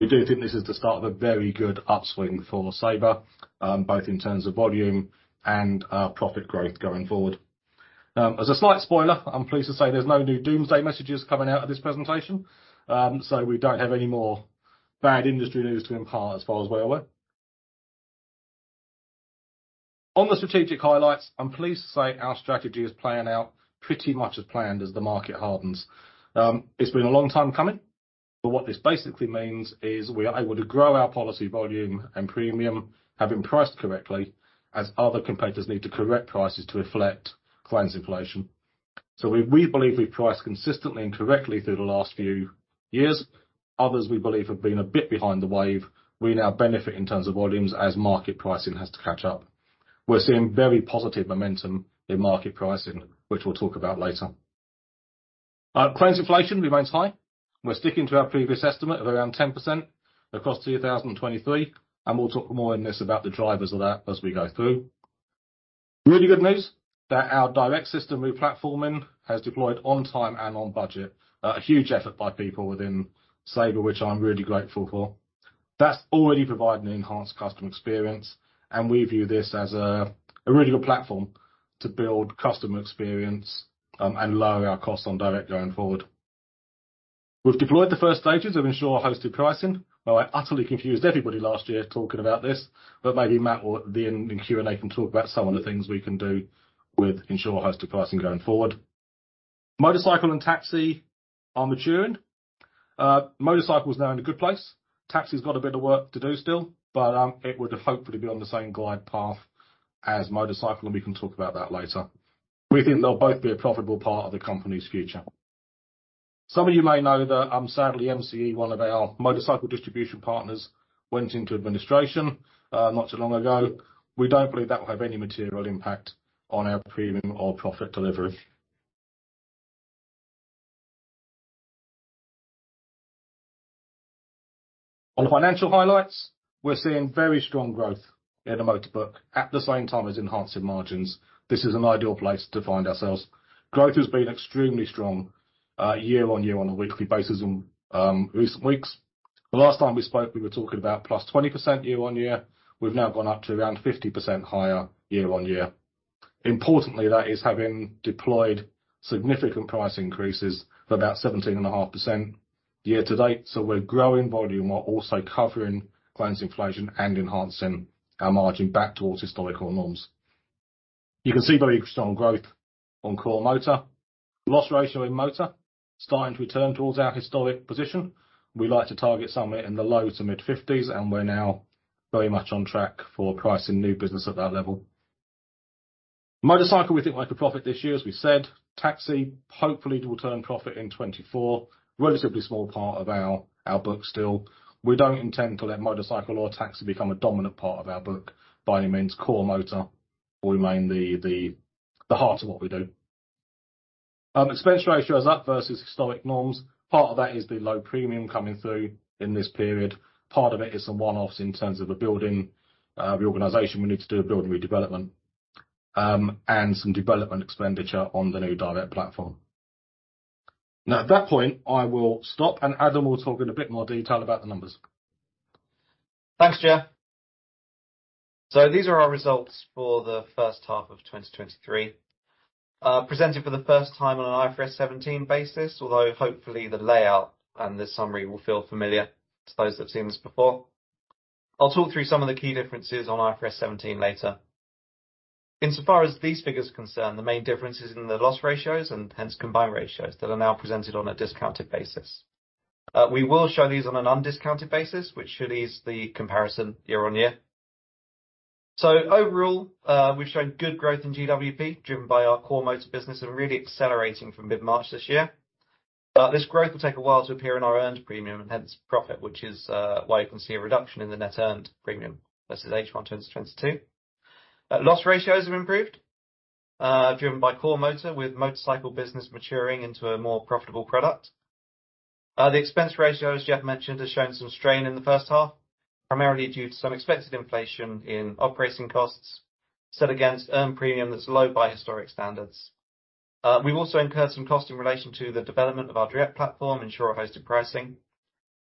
We do think this is the start of a very good upswing for Sabre, both in terms of volume and profit growth going forward. As a slight spoiler, I'm pleased to say there's no new doomsday messages coming out of this presentation. We don't have any more bad industry news to impart as far as we're aware. On the strategic highlights, I'm pleased to say our strategy is playing out pretty much as planned as the market hardens. It's been a long time coming, what this basically means is we are able to grow our policy, volume, and premium, having priced correctly, as other competitors need to correct prices to reflect claims inflation. We, we believe we've priced consistently and correctly through the last few years. Others, we believe, have been a bit behind the wave. We now benefit in terms of volumes as market pricing has to catch up. We're seeing very positive momentum in market pricing, which we'll talk about later. claims inflation remains high. We're sticking to our previous estimate of around 10% across 2023, and we'll talk more on this about the drivers of that as we go through. Really good news, that our direct system re-platforming has deployed on time and on budget. a huge effort by people within Sabre, which I'm really grateful for. That's already providing an enhanced customer experience, and we view this as a really good platform to build customer experience, and lower our costs on direct going forward. We've deployed the first stages of insurer-hosted pricing. Well, I utterly confused everybody last year talking about this, but maybe Matt will then, in Q&A, can talk about some of the things we can do with insurer-hosted pricing going forward. Motorcycle and Taxi are maturing. Motorcycle is now in a good place. Taxi's got a bit of work to do still, but it would hopefully be on the same glide path as Motorcycle, and we can talk about that later. We think they'll both be a profitable part of the company's future. Some of you may know that, sadly, MCE, one of our Motorcycle distribution partners, went into administration not too long ago. We don't believe that will have any material impact on our premium or profit delivery. On financial highlights, we're seeing very strong growth in the motor book at the same time as enhancing margins. This is an ideal place to find ourselves. Growth has been extremely strong, year-on-year on a weekly basis in recent weeks. The last time we spoke, we were talking about +20% year-on-year. We've now gone up to around 50% higher year-on-year. Importantly, that is having deployed significant price increases of about 17.5% year-to-date, so we're growing volume while also covering claims inflation and enhancing our margin back towards historical norms. You can see very strong growth on core motor. Loss ratio in motor starting to return towards our historic position. We like to target somewhere in the low to mid-fifties, and we're now very much on track for pricing new business at that level. Motorcycle, we think, will make a profit this year, as we said. Taxi, hopefully, will turn profit in 2024. Relatively small part of our, our book still. We don't intend to let Motorcycle or Taxi become a dominant part of our book by any means. Core motor will remain the, the, the heart of what we do. Expense ratio is up versus historic norms. Part of that is the low premium coming through in this period. Part of it is some one-offs in terms of the building. The organization, we need to do a building redevelopment, and some development expenditure on the new direct platform. At that point, I will stop, and Adam will talk in a bit more detail about the numbers. Thanks, Geoff. These are our results for the first half of 2023, presented for the first time on an IFRS 17 basis, although hopefully the layout and this summary will feel familiar to those that have seen this before. I'll talk through some of the key differences on IFRS 17 later. Insofar as these figures are concerned, the main difference is in the loss ratios and hence combined ratios that are now presented on a discounted basis. We will show these on an undiscounted basis, which should ease the comparison year-on-year. Overall, we've shown good growth in GWP, driven by our core motor business and really accelerating from mid-March this year. This growth will take a while to appear in our earned premium, and hence profit, which is why you can see a reduction in the net earned premium versus H1 2022. Loss ratios have improved, driven by core motor, with motorcycle business maturing into a more profitable product. The expense ratio, as mentioned, has shown some strain in the first half, primarily due to some expected inflation in operating costs set against earned premium that's low by historic standards. We've also incurred some costs in relation to the development of our direct platform, insurer-hosted pricing.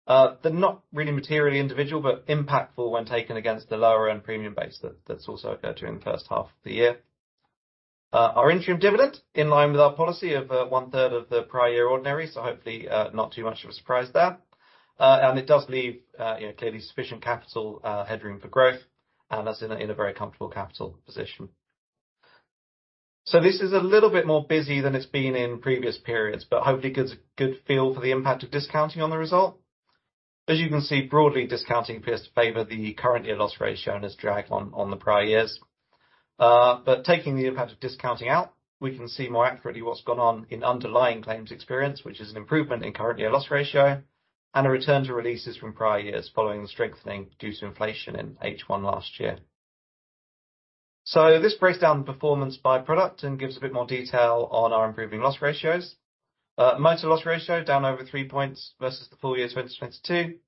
They're not really materially individual, but impactful when taken against the lower end premium base that's also occurred during the first half of the year. Our interim dividend, in line with our policy of, one-third of the prior year ordinary, so hopefully, not too much of a surprise there. It does leave clearly sufficient capital headroom for growth, and that's in a very comfortable capital position. This is a little bit more busy than it's been in previous periods, but hopefully gives a good feel for the impact of discounting on the result. As you can see, broadly, discounting appears to favor the current year loss ratio and has dragged on the prior years. Taking the impact of discounting out, we can see more accurately what's gone on in underlying claims experience, which is an improvement in current year loss ratio and a return to releases from prior years following the strengthening due to inflation in H1 last year. This breaks down the performance by product and gives a bit more detail on our improving loss ratios. Motor loss ratio down over 3 points versus the full year 2022.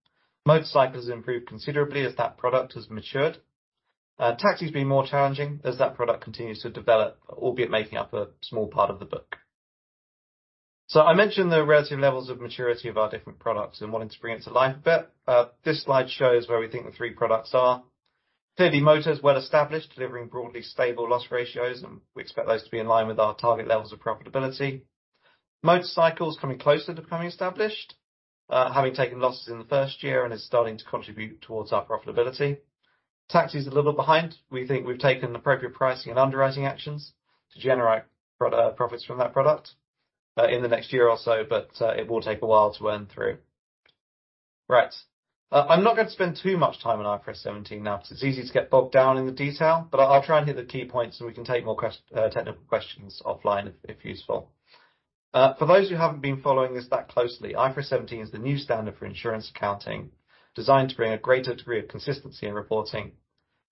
Motorcycle has improved considerably as that product has matured. Taxi's been more challenging as that product continues to develop, albeit making up a small part of the book. I mentioned the relative levels of maturity of our different products and wanting to bring it to life a bit. This slide shows where we think the 3 products are. Clearly, Motor is well established, delivering broadly stable loss ratios, and we expect those to be in line with our target levels of profitability. Motorcycles coming closer to becoming established, having taken losses in the first year and is starting to contribute towards our profitability. Taxi is a little bit behind. We think we've taken appropriate pricing and underwriting actions to generate pro profits from that product in the next year or so, but it will take a while to earn through. Right. I'm not going to spend too much time on IFRS 17 now, because it's easy to get bogged down in the detail, but I'll try and hit the key points, and we can take more technical questions offline, if, if useful. For those who haven't been following this that closely, IFRS 17 is the new standard for insurance accounting, designed to bring a greater degree of consistency in reporting.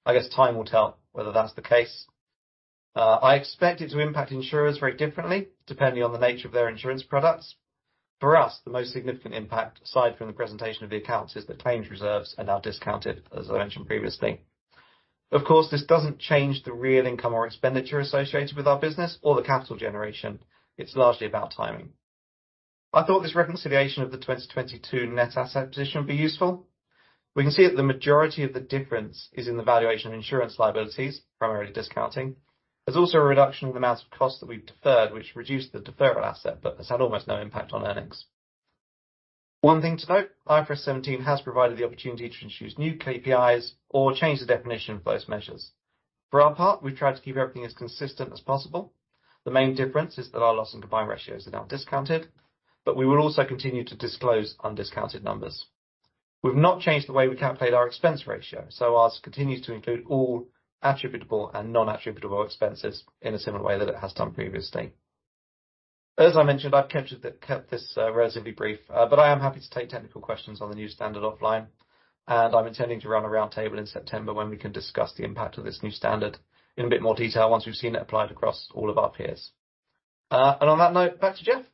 I guess time will tell whether that's the case. I expect it to impact insurers very differently, depending on the nature of their insurance products. For us, the most significant impact, aside from the presentation of the accounts, is that claims reserves are now discounted, as I mentioned previously. Of course, this doesn't change the real income or expenditure associated with our business or the capital generation. It's largely about timing. I thought this reconciliation of the 2022 net asset position would be useful. We can see that the majority of the difference is in the valuation of insurance liabilities, primarily discounting. There's also a reduction in the amount of costs that we've deferred, which reduced the deferral asset but has had almost no impact on earnings. One thing to note, IFRS 17 has provided the opportunity to introduce new KPIs or change the definition of those measures. For our part, we've tried to keep everything as consistent as possible. The main difference is that our loss and combined ratios are now discounted, we will also continue to disclose undiscounted numbers. We've not changed the way we calculate our expense ratio, ours continues to include all attributable and non-attributable expenses in a similar way that it has done previously. As I mentioned, I've kept it, kept this, relatively brief, but I am happy to take technical questions on the new standard offline, and I'm intending to run a roundtable in September when we can discuss the impact of this new standard in a bit more detail once we've seen it applied across all of our peers. On that note, back to Geoff.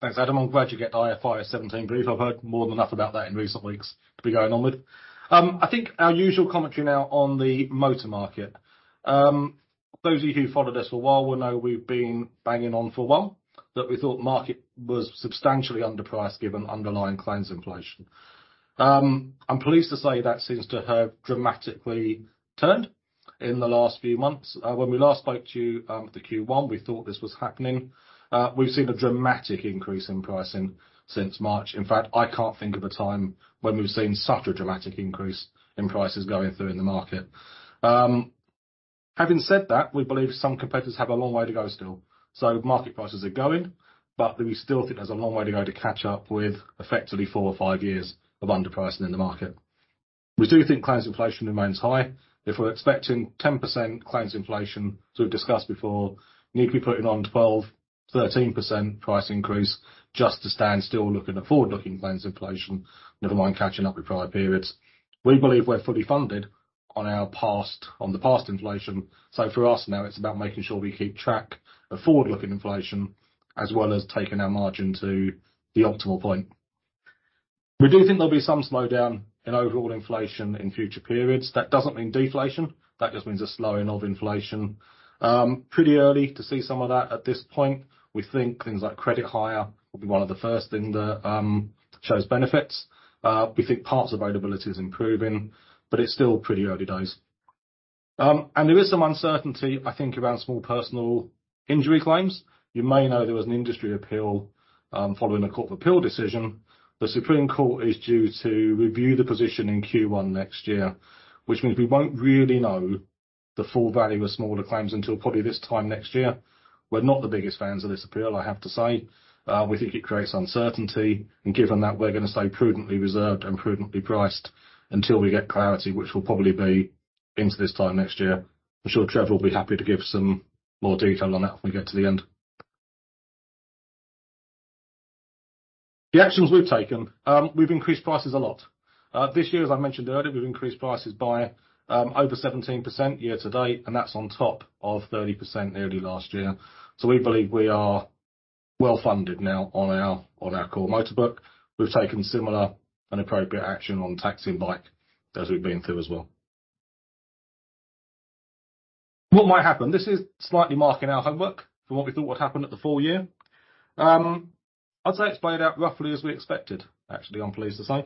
Thanks, Adam. I'm glad you get IFRS 17 brief. I've heard more than enough about that in recent weeks to be going on with. I think our usual commentary now on the motor market. Those of you who followed us for a while will know we've been banging on for one, that we thought market was substantially underpriced, given underlying claims inflation. I'm pleased to say that seems to have dramatically turned in the last few months. When we last spoke to you, at the Q1, we thought this was happening. We've seen a dramatic increase in pricing since March. In fact, I can't think of a time when we've seen such a dramatic increase in prices going through in the market. Having said that, we believe some competitors have a long way to go still. Market prices are going, but we still think there's a long way to go to catch up with effectively four or five years of underpricing in the market. We do think claims inflation remains high. If we're expecting 10% claims inflation, as we've discussed before, need to be putting on 12%, 13% price increase just to stand still, looking at forward-looking claims inflation, never mind catching up with prior periods. We believe we're fully funded on our past, on the past inflation, so for us now, it's about making sure we keep track of forward-looking inflation, as well as taking our margin to the optimal point. We do think there'll be some slowdown in overall inflation in future periods. That doesn't mean deflation. That just means a slowing of inflation. Pretty early to see some of that at this point. We think things like credit hire will be one of the first things that shows benefits. We think parts availability is improving, but it's still pretty early days. There is some uncertainty, I think, around small personal injury claims. You may know there was an industry appeal following a Court of Appeal decision. The Supreme Court is due to review the position in Q1 next year, which means we won't really know the full value of smaller claims until probably this time next year. We're not the biggest fans of this appeal, I have to say. We think it creates uncertainty, and given that, we're gonna stay prudently reserved and prudently priced until we get clarity, which will probably be into this time next year. I'm sure Trevor will be happy to give some more detail on that when we get to the end. The actions we've taken, we've increased prices a lot. This year, as I mentioned earlier, we've increased prices by over 17% year to date, and that's on top of 30% early last year. We believe we are well-funded now on our, on our core motor book. We've taken similar and appropriate action on Taxi and bike as we've been through as well. What might happen? This is slightly marking our homework from what we thought would happen at the full year. I'd say it's played out roughly as we expected, actually, I'm pleased to say.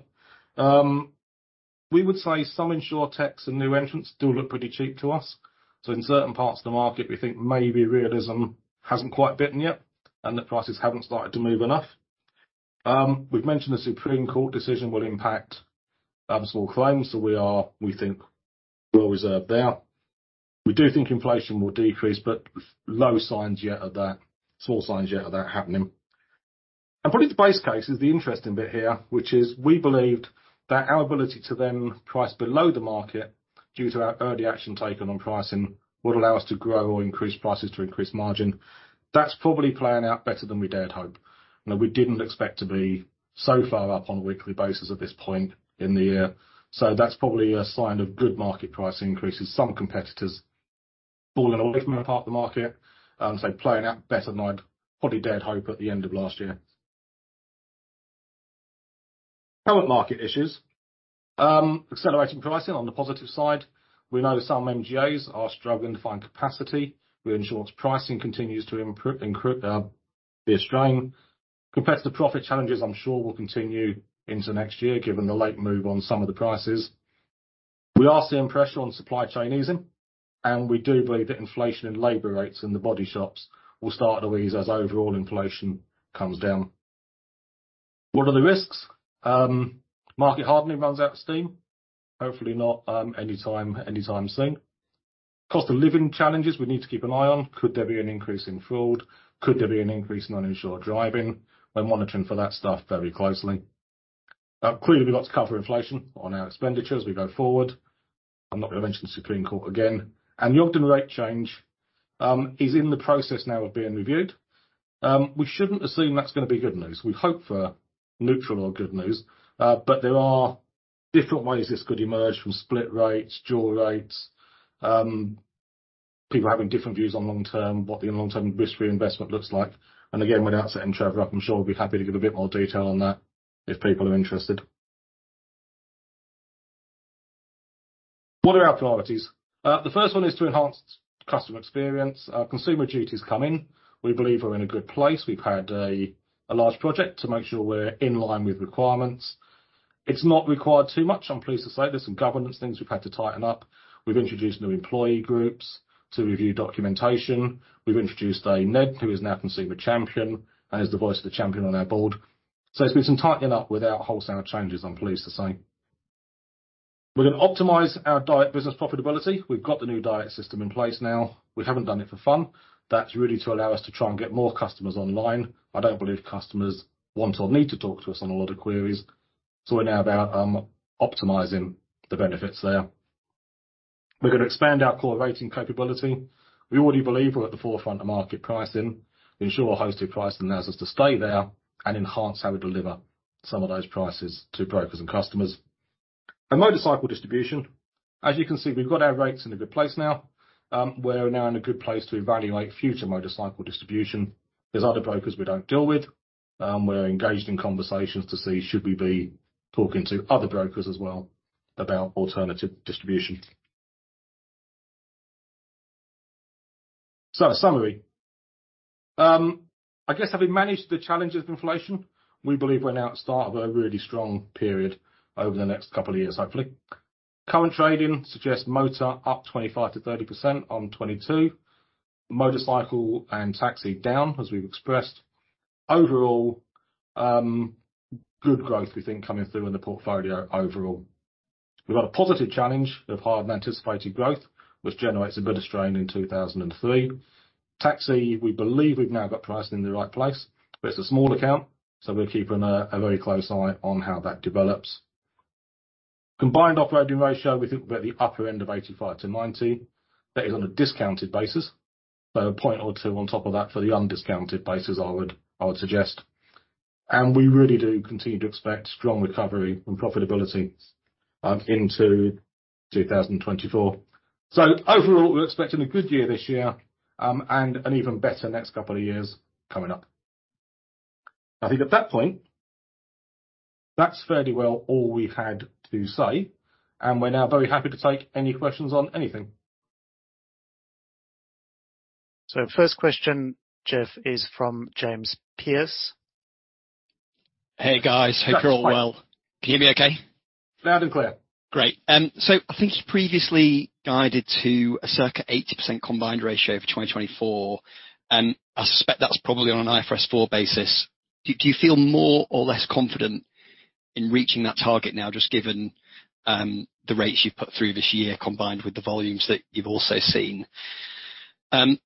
We would say some insurtechs and new entrants do look pretty cheap to us. In certain parts of the market, we think maybe realism hasn't quite bitten yet and that prices haven't started to move enough. We've mentioned the Supreme Court decision will impact other small claims, so we are, we think, well reserved there. We do think inflation will decrease, but low signs yet of that, small signs yet of that happening. Probably the base case is the interesting bit here, which is we believed that our ability to then price below the market, due to our early action taken on pricing, would allow us to grow or increase prices to increase margin. That's probably playing out better than we dared hope. Now, we didn't expect to be so far up on a weekly basis at this point in the year, so that's probably a sign of good market price increases. Some competitors falling away from a part of the market, so playing out better than I'd probably dared hope at the end of last year. Current market issues. Accelerating pricing on the positive side, we know that some MGAs are struggling to find capacity, which ensures pricing continues to be a strain. Competitive profit challenges, I'm sure, will continue into next year, given the late move on some of the prices. We are seeing pressure on supply chain easing, we do believe that inflation and labor rates in the body shops will start to ease as overall inflation comes down. What are the risks? Market hardening runs out of steam. Hopefully not, anytime, anytime soon. Cost of living challenges, we need to keep an eye on. Could there be an increase in fraud? Could there be an increase in uninsured driving? We're monitoring for that stuff very closely. Clearly, we've got to cover inflation on our expenditures as we go forward. I'm not gonna mention the Supreme Court again. The Ogden rate change is in the process now of being reviewed. We shouldn't assume that's gonna be good news. We hope for neutral or good news, but there are different ways this could emerge from split rates, dual rates, people having different views on long term, what the long-term risk-free investment looks like. Again, without setting Trevor up, I'm sure he'll be happy to give a bit more detail on that if people are interested. What are our priorities? The first one is to enhance customer experience. Consumer duty is coming. We believe we're in a good place. We've had a, a large project to make sure we're in line with requirements. It's not required too much, I'm pleased to say. There are some governance things we've had to tighten up. We've introduced new employee groups to review documentation. We've introduced a NED, who is now consumer champion, is the voice of the champion on our board. It's been some tightening up without wholesale changes, I'm pleased to say. We're gonna optimize our direct business profitability. We've got the new direct system in place now. We haven't done it for fun. That's really to allow us to try and get more customers online. I don't believe customers want or need to talk to us on a lot of queries, we're now about optimizing the benefits there. We're gonna expand our core rating capability. We already believe we're at the forefront of market pricing. Insurer-hosted pricing allows us to stay there and enhance how we deliver some of those prices to brokers and customers. Motorcycle distribution, as you can see, we've got our rates in a good place now. We're now in a good place to evaluate future Motorcycle distribution. There's other brokers we don't deal with, we're engaged in conversations to see should we be talking to other brokers as well about alternative distribution. Summary. I guess, having managed the challenges of inflation, we believe we're now at the start of a really strong period over the next couple of years, hopefully. Current trading suggests motor up 25%-30% on 2022. Motorcycle and Taxi, down, as we've expressed. Overall, good growth, we think, coming through in the portfolio overall. We've got a positive challenge of higher-than-anticipated growth, which generates a bit of strain in 2023. Taxi, we believe we've now got pricing in the right place, but it's a small account, so we're keeping a very close eye on how that develops. Combined operating ratio, we think, we're at the upper end of 85%-90%. That is on a discounted basis, so one or two points on top of that for the undiscounted basis, I would, I would suggest. We really do continue to expect strong recovery and profitability into 2024. Overall, we're expecting a good year this year, and an even better next couple of years coming up. I think at that point, that's fairly well all we had to say, and we're now very happy to take any questions on anything. First question, Geoff, is from James Pearse. Hey, guys. Hope you're all well. Can you hear me okay? Loud and clear. Great. I think you previously guided to a circa 80% combined ratio for 2024, and I suspect that's probably on an IFRS 4 basis. Do, do you feel more or less confident in reaching that target now, just given the rates you've put through this year, combined with the volumes that you've also seen?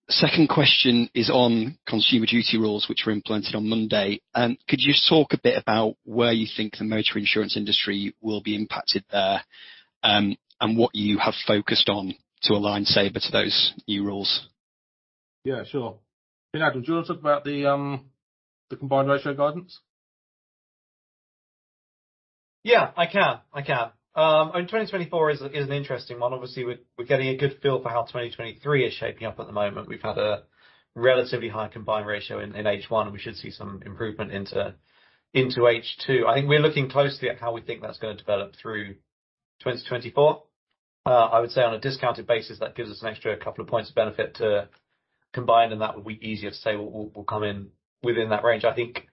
Second question is on consumer duty rules, which were implemented on Monday. Could you talk a bit about where you think the motor insurance industry will be impacted there, and what you have focused on to align Sabre to those new rules? Yeah, sure. Adam, do you want to talk about the, the combined ratio guidance? Yeah, I can. I can. 2024 is, is an interesting one. Obviously, we're, we're getting a good feel for how 2023 is shaping up at the moment. We've had a relatively high combined ratio in, in H1, and we should see some improvement into, into H2. I think we're looking closely at how we think that's gonna develop through 2024. I would say on a discounted basis, that gives us an extra 2 points of benefit to combine, and that would be easier to say, we'll come in within that range. I think,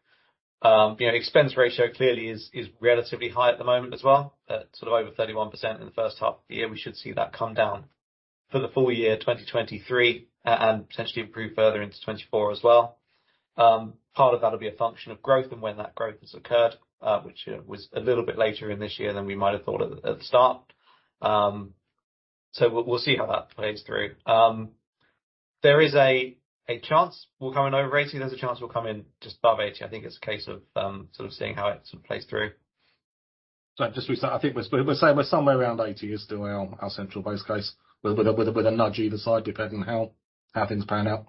you know, expense ratio clearly is, is relatively high at the moment as well. At sort of over 31% in the first half of the year. We should see that come down for the full year 2023, and potentially improve further into 2024 as well. Part of that will be a function of growth and when that growth has occurred, which was a little bit later in this year than we might have thought at, at the start. We'll, we'll see how that plays through. There is a, a chance we'll come in over 80, there's a chance we'll come in just above 80. I think it's a case of, sort of seeing how it sort of plays through. Just to be clear, I think we're saying we're somewhere around 80 is still our central base case, with a nudge either side, depending on how things pan out.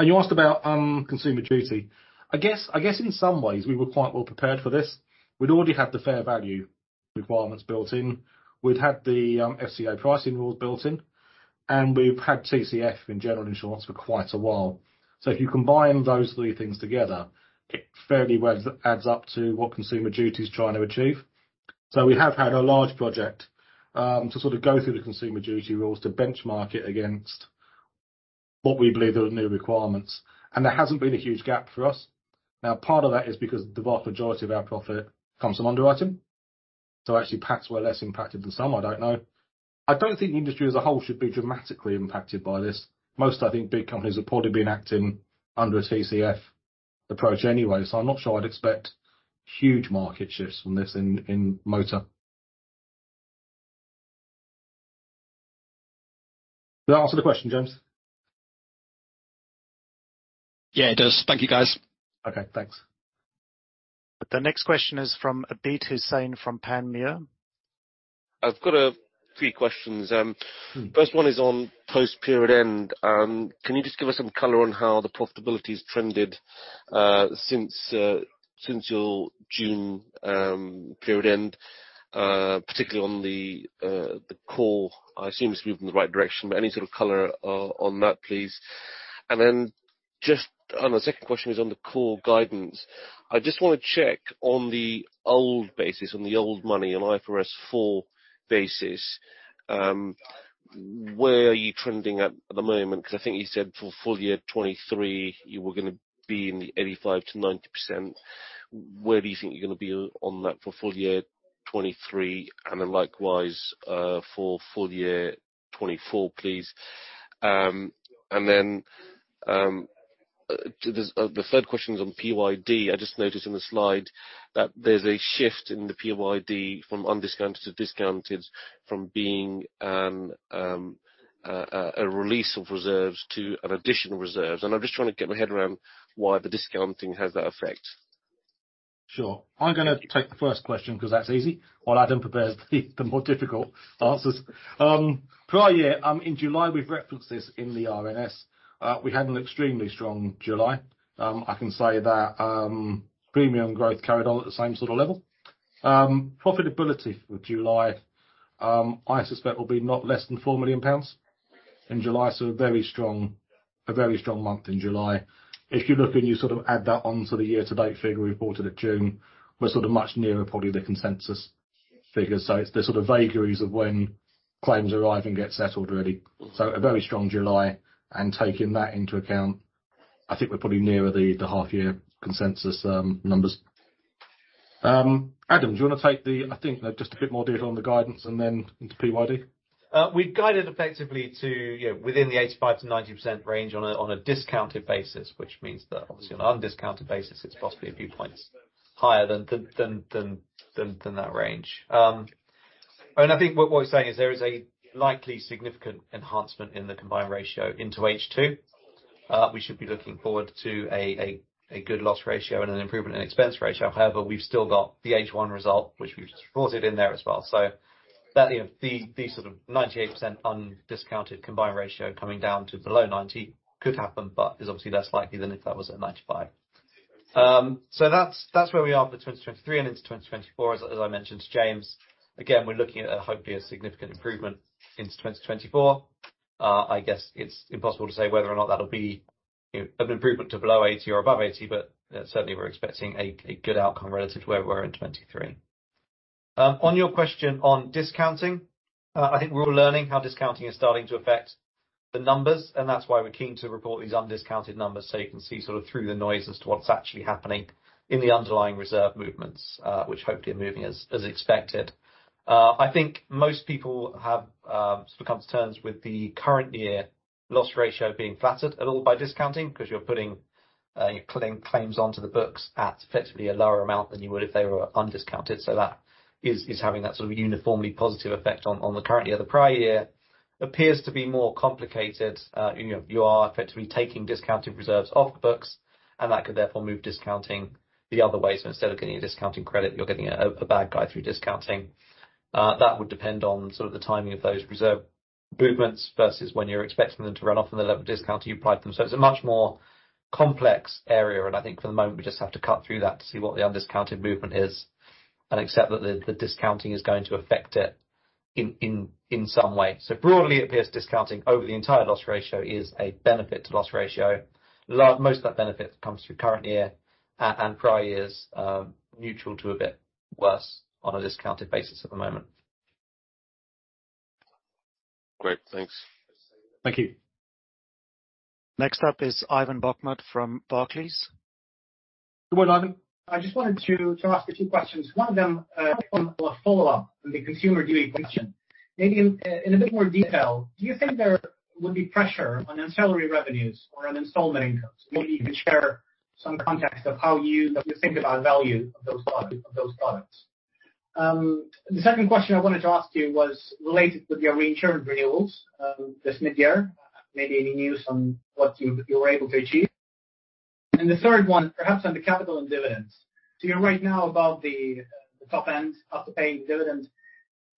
You asked about consumer duty. I guess, I guess in some ways, we were quite well prepared for this. We'd already had the fair value requirements built in. We've had the FCA pricing rules built in, and we've had TCF in general insurance for quite a while. If you combine those three things together, it fairly well adds up to what consumer duty is trying to achieve. We have had a large project to sort of go through the consumer duty rules, to benchmark it against what we believe are the new requirements. There hasn't been a huge gap for us. Part of that is because the vast majority of our profit comes from underwriting. Actually, perhaps we're less impacted than some, I don't know. I don't think the industry as a whole should be dramatically impacted by this. Most, I think, big companies have probably been acting under a TCF approach anyway. I'm not sure I'd expect huge market shifts from this in, in motor. Does that answer the question, James? Yeah, it does. Thank you, guys. Okay, thanks. The next question is from Abid Hussain from Panmure. I've got a three questions. Mm. First one is on post-period end. Can you just give us some color on how the profitability has trended since your June period end, particularly on the core? I assume it's moved in the right direction, but any sort of color on that, please. My second question is on the core guidance. I just wanna check on the old basis, on the old money, on IFRS 4 basis, where are you trending at the moment? 'Cause I think you said for full year 2023, you were gonna be in the 85%-90%. Where do you think you're gonna be on that for full year 2023? Likewise, for full year 2024, please. Then, the third question is on PYD. I just noticed in the slide that there's a shift in the PYD from undiscounted to discounted, from being a release of reserves to an additional reserves, and I'm just trying to get my head around why the discounting has that effect. Sure. I'm gonna take the first question 'cause that's easy, while Adam prepares the, the more difficult answers. Prior year, in July, we've referenced this in the RNS, we had an extremely strong July. I can say that premium growth carried on at the same sort of level. Profitability for July, I suspect will be not less than 4 million pounds in July, so a very strong, a very strong month in July. If you look and you sort of add that onto the year-to-date figure we reported at June, we're sort of much nearer probably the consensus figures. It's the sort of vagaries of when claims arrive and get settled really. A very strong July, and taking that into account, I think we're probably nearer the, the half year consensus numbers. Adam, do you wanna take the... I think, just a bit more detail on the guidance and then into PYD? We've guided effectively to, you know, within the 85%-90% range on a, on a discounted basis, which means that obviously on an undiscounted basis, it's possibly a few points higher than the, than, than, than, than that range. I think what, what we're saying is there is a likely significant enhancement in the combined ratio into H2. We should be looking forward to a, a, a good loss ratio and an improvement in expense ratio. However, we've still got the H1 result, which we've just brought it in there as well. That, you know, the, the sort of 98% undiscounted combined ratio coming down to below 90 could happen, but is obviously less likely than if that was at 95. That's, that's where we are for 2023 and into 2024. As, as I mentioned to James, again, we're looking at hopefully a significant improvement into 2024. I guess it's impossible to say whether or not that'll be, you know, an improvement to below 80 or above 80, but certainly we're expecting a, a good outcome relative to where we were in 2023. On your question on discounting, I think we're all learning how discounting is starting to affect the numbers, and that's why we're keen to report these undiscounted numbers, so you can see sort of through the noise as to what's actually happening in the underlying reserve movements, which hopefully are moving as, as expected. I think most people have sort of come to terms with the current year loss ratio being flattered a little by discounting, 'cause you're putting claims onto the books at effectively a lower amount than you would if they were undiscounted. That is having that sort of uniformly positive effect on the current year. The prior year appears to be more complicated. You know, you are effectively taking discounted reserves off the books, and that could therefore move discounting the other way. Instead of getting a discounting credit, you're getting a bad guy through discounting. That would depend on sort of the timing of those reserve movements versus when you're expecting them to run off and the level of discount you applied them. It's a much more complex area, and I think for the moment, we just have to cut through that to see what the undiscounted movement is and accept that the discounting is going to affect it in some way. Broadly, it appears discounting over the entire loss ratio is a benefit to loss ratio. Most of that benefit comes through current year and prior years, neutral to a bit worse on a discounted basis at the moment. Great. Thanks. Thank you. Next up is Ivan Bokhmat from Barclays. Good morning. I just wanted to ask a few questions. One of them, kind of a follow-up on the consumer duty question. Maybe in a bit more detail, do you think there would be pressure on ancillary revenues or on installment incomes? Maybe you could share some context of how you, like, you think about value of those product, those products. The second question I wanted to ask you was related with your reinsurance renewals, this midyear. Maybe any news on what you were able to achieve? The third one, perhaps on the capital and dividends. You're right now about the top end of the paying dividend.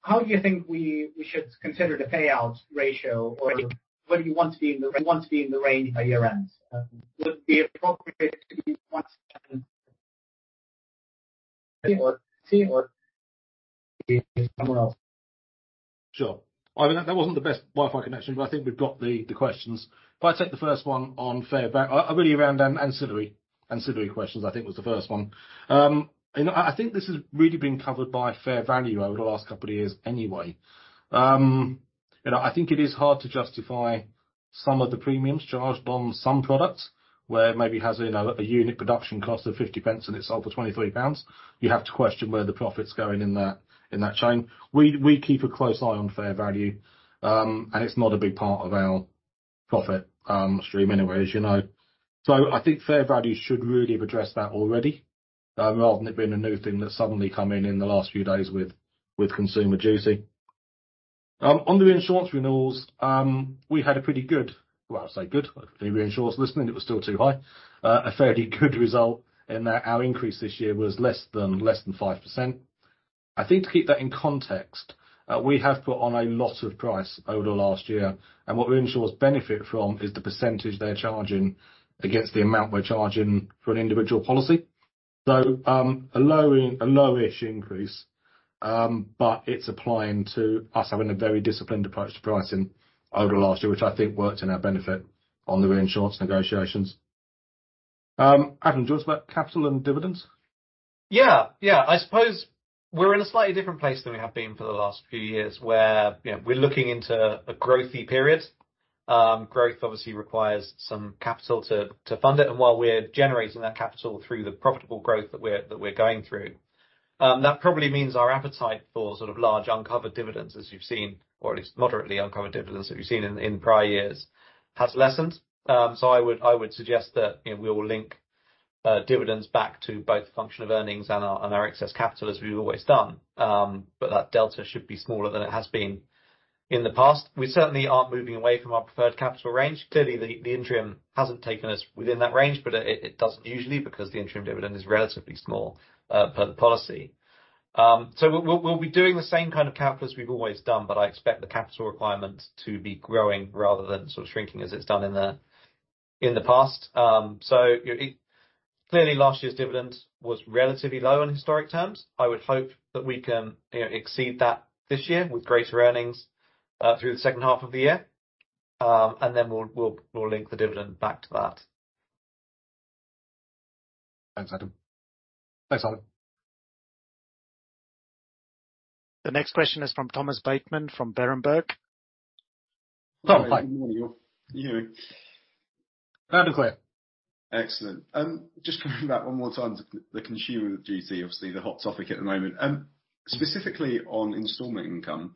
How do you think we, we should consider the payout ratio or where do you want to be in the range by year-end? Would it be appropriate to be once and or see or somewhere else? Sure. I mean, that wasn't the best Wi-Fi connection, but I think we've got the, the questions. If I take the first one on fair value, really around, ancillary. Ancillary questions, I think was the first one. I, I think this has really been covered by fair value over the last couple of years anyway. You know, I think it is hard to justify some of the premiums charged on some products, where maybe it has, you know, a unit production cost of 50 pence and it's sold for 23 pounds. You have to question where the profit's going in that, in that chain. We, we keep a close eye on fair value, and it's not a big part of our profit, stream anyways, you know. I think fair value should really have addressed that already, rather than it being a new thing that suddenly come in in the last few days with, with consumer duty. On the insurance renewals, we had a pretty good, Well, I say good, any reinsurers listening, it was still too high. A fairly good result in that our increase this year was less than, less than 5%. I think to keep that in context, we have put on a lot of price over the last year, and what reinsurers benefit from is the percentage they're charging against the amount we're charging for an individual policy. A low-ish increase, but it's applying to us having a very disciplined approach to pricing over the last year, which I think worked in our benefit on the reinsurance negotiations. Adam, do you want to talk about capital and dividends? Yeah, yeah. I suppose we're in a slightly different place than we have been for the last few years, where, you know, we're looking into a growthy period. Growth obviously requires some capital to, to fund it. While we're generating that capital through the profitable growth that we're, that we're going through, that probably means our appetite for sort of large uncovered dividends, as you've seen, or at least moderately uncovered dividends that you've seen in, in prior years, has lessened. I would, I would suggest that, you know, we will link dividends back to both the function of earnings and our, and our excess capital, as we've always done. That delta should be smaller than it has been in the past. We certainly aren't moving away from our preferred capital range. Clearly, the, the interim hasn't taken us within that range, but it, it doesn't usually because the interim dividend is relatively small, per the policy. We, we'll, we'll be doing the same kind of capital as we've always done, but I expect the capital requirement to be growing rather than sort of shrinking as it's done in the, in the past. Clearly, last year's dividend was relatively low in historic terms. I would hope that we can, you know, exceed that this year with greater earnings, through the second half of the year. Then we'll, we'll, we'll link the dividend back to that. Thanks, Adam. Thanks, Adam. The next question is from Thomas Bateman from Berenberg. Thomas Bateman. You hear me? Loud and clear. Excellent. Just coming back one more time to the consumer duty, obviously the hot topic at the moment. Specifically on installment income,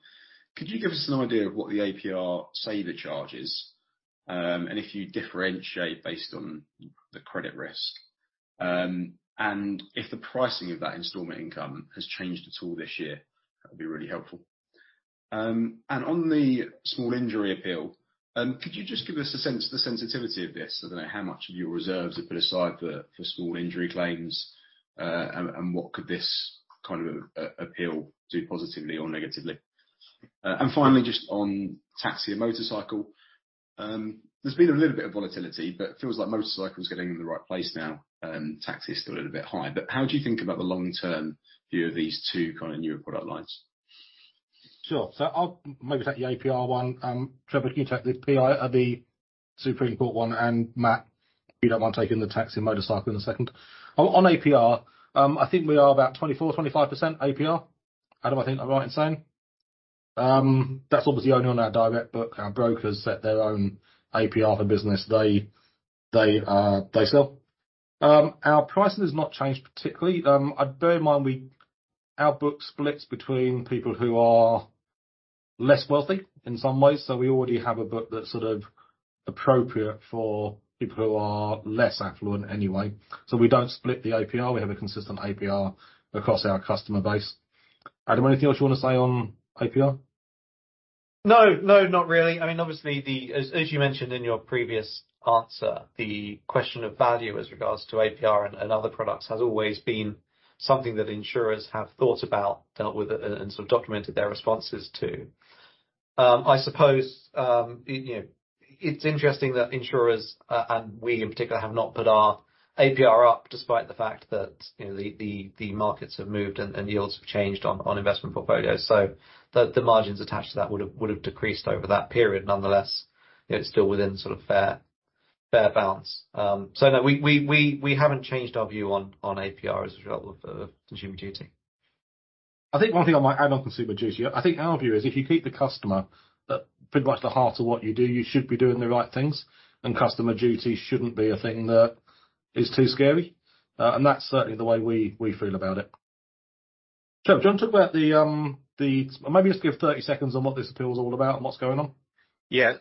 could you give us an idea of what the APR saver charge is? If you differentiate based on the credit risk, and if the pricing of that installment income has changed at all this year, that would be really helpful. On the small injury appeal, could you just give us a sense, the sensitivity of this? I don't know, how much of your reserves are put aside for, for small injury claims, and what could this kind of appeal do positively or negatively? Finally, just on Taxi and Motorcycle. There's been a little bit of volatility, but it feels like Motorcycle is getting in the right place now, and Taxi is still a little bit high. How do you think about the long-term view of these two kind of newer product lines? Sure. I'll maybe take the APR one. Trevor, can you take the PI, the Supreme Court one, and Matt, if you don't mind taking the taxi and motorcycle in a second. On, on APR, I think we are about 24%-25% APR. Adam, I think that right in saying? That's obviously only on our direct book. Our brokers set their own APR for business, they, they sell. Our pricing has not changed particularly. But bear in mind, our book splits between people who are less wealthy in some ways, so we already have a book that's sort of appropriate for people who are less affluent anyway. We don't split the APR, we have a consistent APR across our customer base. Adam, anything else you want to say on APR? No, no, not really. I mean, obviously, the... As, as you mentioned in your previous answer, the question of value as regards to APR and, and other products, has always been something that insurers have thought about, dealt with, and, and sort of documented their responses to. I suppose, you know, it's interesting that insurers, and we in particular, have not put our APR up, despite the fact that, you know, the, the, the markets have moved and, and yields have changed on, on investment portfolios. The, the margins attached to that would have, would have decreased over that period. Nonetheless, it's still within sort of fair, fair bounds. No, we, we, we, we haven't changed our view on, on APR as a result of, of Consumer Duty. I think one thing I might add on consumer duty, I think our view is if you keep the customer at pretty much the heart of what you do, you should be doing the right things, and customer duty shouldn't be a thing that is too scary. That's certainly the way we, we feel about it. Trevor, do you want to talk about the, Maybe just give 30 seconds on what this appeal is all about and what's going on. Yeah.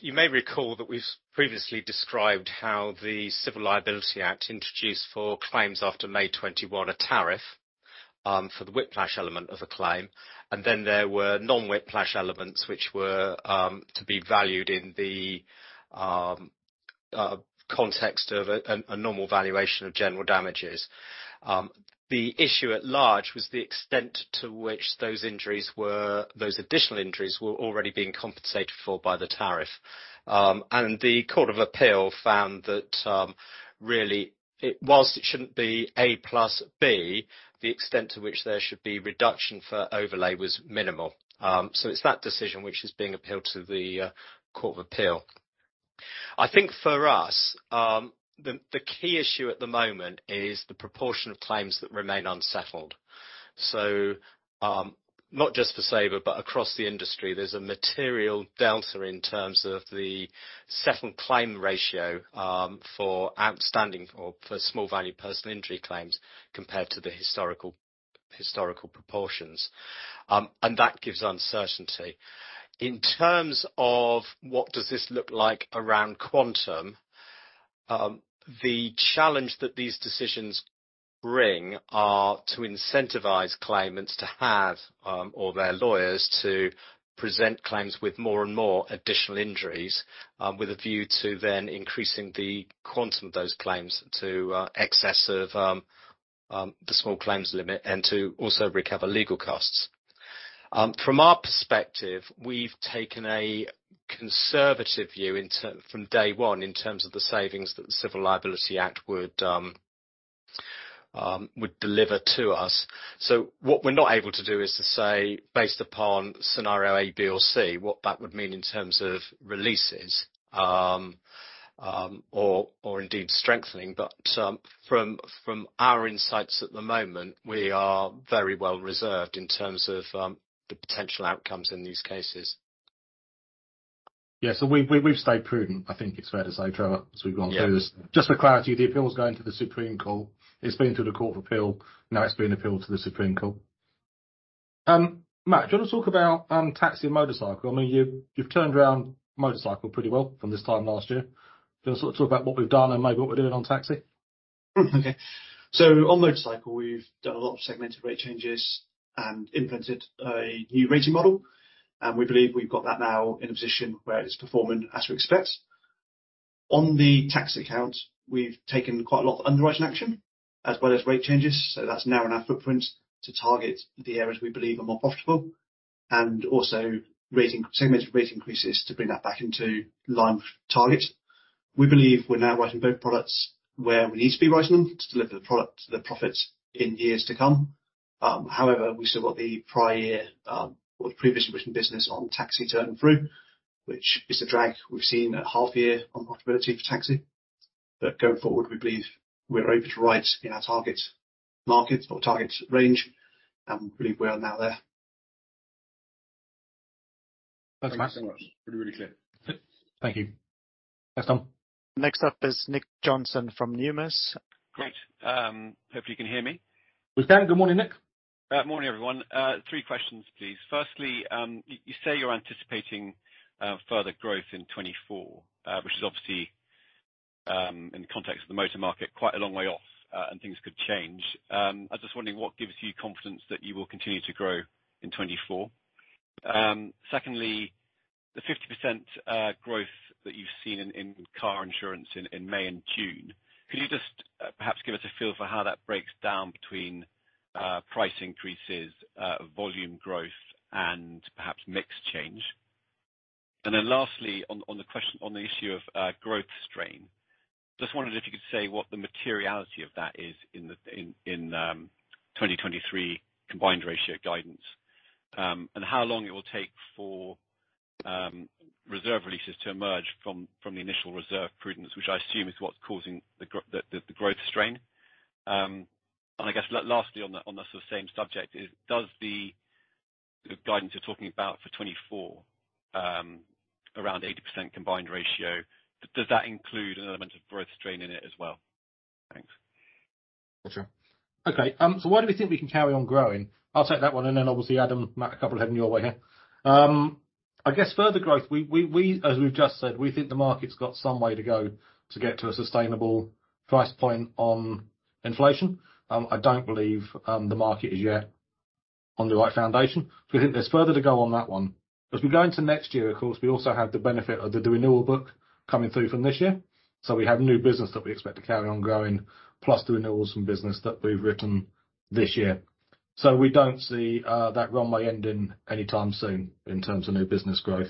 you may recall that we've previously described how the Civil Liability Act introduced for claims after May 21, a tariff for the whiplash element of a claim, and then there were non-whiplash elements which were to be valued in the.... context of a, a normal valuation of general damages. The issue at large was the extent to which those injuries were-- those additional injuries were already being compensated for by the tariff. The Court of Appeal found that, really, it-- whilst it shouldn't be A plus B, the extent to which there should be reduction for overlay was minimal. It's that decision which is being appealed to the Court of Appeal. I think for us, the, the key issue at the moment is the proportion of claims that remain unsettled. Not just for Sabre, but across the industry, there's a material delta in terms of the settled claim ratio, for outstanding or for small value personal injury claims, compared to the historical, historical proportions. That gives uncertainty. In terms of what does this look like around quantum, the challenge that these decisions bring are to incentivize claimants to have, or their lawyers, to present claims with more and more additional injuries, with a view to then increasing the quantum of those claims to excess of the small claims limit, and to also recover legal costs. From our perspective, we've taken a conservative view from day one, in terms of the savings that the Civil Liability Act would would deliver to us. What we're not able to do is to say, based upon scenario A, B, or C, what that would mean in terms of releases, or, or indeed strengthening. From, from our insights at the moment, we are very well reserved in terms of the potential outcomes in these cases. Yeah. We've stayed prudent, I think it's fair to say, Trevor, as we've gone through this. Yeah. Just for clarity, the appeal is going to the Supreme Court. It's been to the Court of Appeal, now it's been appealed to the Supreme Court. Matt, do you want to talk about Taxi and Motorcycle? I mean, you've turned around Motorcycle pretty well from this time last year. Do you want to sort of talk about what we've done and maybe what we're doing on Taxi? Okay. On Motorcycle, we've done a lot of segmented rate changes and implemented a new rating model, and we believe we've got that now in a position where it's performing as we expect. On the Taxi account, we've taken quite a lot of underwriting action, as well as rate changes, so that's narrowing our footprint to target the areas we believe are more profitable, and also segmented rate increases to bring that back into line with target. We believe we're now writing both products where we need to be writing them to deliver the product to the profits in years to come. However, we've still got the prior year, or the previously written business on Taxi turn through, which is the drag we've seen at half year on profitability for Taxi. Going forward, we believe we're able to write in our target market or target range, and we believe we are now there. Thanks, Matt. Thank you so much. Really, really clear. Thank you. Thanks, Thomas. Next up is Nick Johnson from Numis. Great. Hopefully you can hear me. We can. Good morning, Nick. Morning, everyone. Three questions, please. Firstly, you say you're anticipating further growth in 2024, which is obviously in the context of the motor market, quite a long way off, and things could change. I was just wondering, what gives you confidence that you will continue to grow in 2024? Secondly, the 50% growth that you've seen in car insurance in May and June, could you just perhaps give us a feel for how that breaks down between price increases, volume growth, and perhaps mix change? Lastly, on the issue of growth strain, just wondered if you could say what the materiality of that is in the 2023 combined ratio guidance, and how long it will take for reserve releases to emerge from the initial reserve prudence, which I assume is what's causing the growth strain? I guess lastly on the sort of same subject is, does the guidance you're talking about for 2024, around 80% combined ratio, does that include an element of growth strain in it as well? Thanks. Sure. Okay, why do we think we can carry on growing? I'll take that one, and then obviously, Adam, Matt, a couple heading your way here. I guess further growth, we, we, we, as we've just said, we think the market's got some way to go to get to a sustainable price point on inflation. I don't believe the market is yet on the right foundation, so we think there's further to go on that one. As we go into next year, of course, we also have the benefit of the renewal book coming through from this year. We have new business that we expect to carry on growing, plus renewals from business that we've written this year. We don't see that runway ending anytime soon in terms of new business growth.